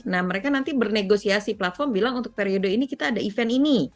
nah mereka nanti bernegosiasi platform bilang untuk periode ini kita ada event ini